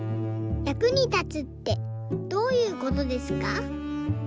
役に立つってどういうことですか？」。